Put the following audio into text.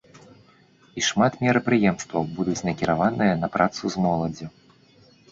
І шмат мерапрыемстваў будуць накіраваныя на працу з моладдзю.